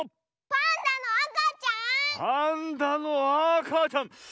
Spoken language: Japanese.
パンダのあかちゃん。